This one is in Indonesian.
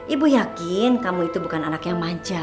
ibu yakin kamu itu bukan anak yang manja